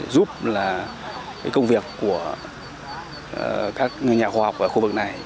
giúp là cái công việc của các nhà khoa học ở khu vực này